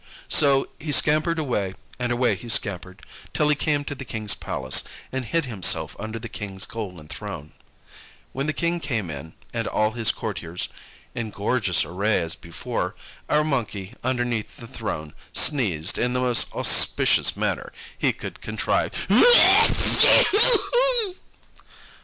So he scampered away, and away he scampered, till he came to the King's palace, and hid himself under the King's golden throne. When the King came in, and all his courtiers, in gorgeous array as before, our Monkey underneath the throne sneezed in the most auspicious manner he could contrive.